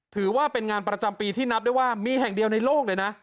ถือว่าเป็นงานประจำปีที่นับได้ว่ามีแห่งเดียวในโลกเลยนะ